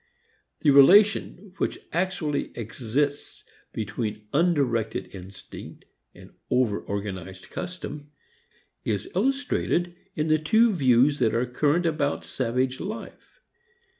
The relation which actually exists between undirected instinct and over organized custom is illustrated in the two views that are current about savage life.